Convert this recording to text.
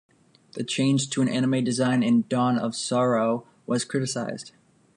The change to an anime design in "Dawn of Sorrow" was criticized.